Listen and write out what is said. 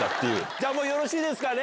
じゃあ、もうよろしいですかね。